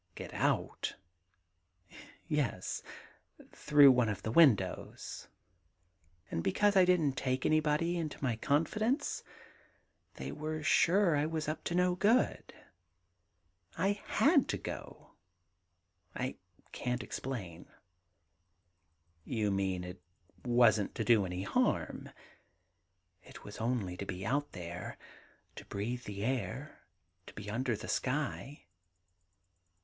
*Getout?' *Yes; through one of the windows. ... And 48 THE GARDEN GOD because I didn't take anybody into my confidence, they were sure I was up to no good. ••• I had to go. ••• I can't explain.' * You mean, it wasn't to do any harm ?'* It was only to be out there — to breathe the air, to be under the sky.'